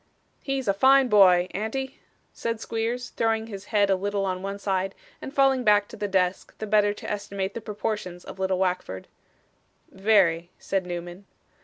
'He's a fine boy, an't he?' said Squeers, throwing his head a little on one side, and falling back to the desk, the better to estimate the proportions of little Wackford. 'Very,' said Newman.